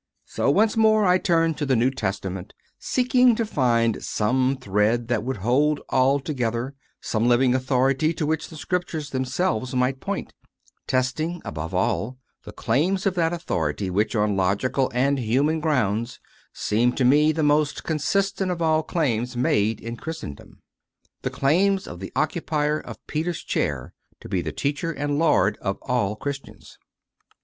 So, once more I turned to the New Testament, seeking to find some thread that would hold all together, some living authority to which the Scriptures themselves might point, testing, above all, the claims of that authority which on logical and human grounds seemed to me the most consistent of all claims made in Christendom the claim of the occupier of Peter s Chair to be the Teacher and Lord of all Christians.